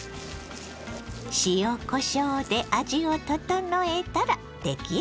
塩こしょうで味を調えたら出来上がり。